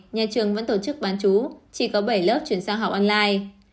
nhà trường vẫn tổ chức bán chú chỉ có bảy lớp chuyển sang học online